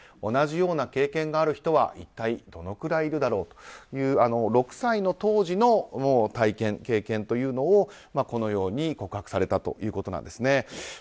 同じような経験がある人は一体どのくらいいるだろうという６歳の当時の体験、経験をこのように告白されたということです。